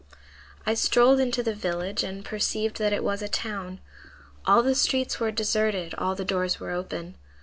"I strolled into the village, and perceived that it was a town. All the streets were deserted, all the doors were open.